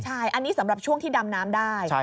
ใช่อันนี้สำหรับช่วงที่ดำน้ำได้